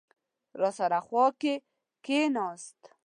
راسره خوا کې کېناست.